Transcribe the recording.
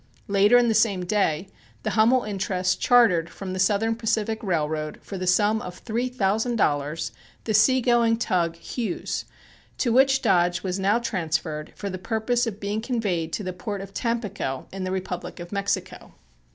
Later in the same day the Hummel interests chartered from the Southern Pacific Railroad for the sum of three thousand dollars the sea going tug Hughes, to which Dodge was now transferred for the purpose of being conveyed to the port of Tampico in the Republic of Mexico.